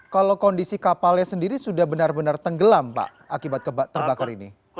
kalau kondisi kapalnya sendiri sudah benar benar tenggelam pak akibat terbakar ini